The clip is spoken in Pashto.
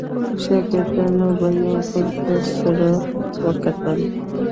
شاګردانو به یو بل ته سره وکتل.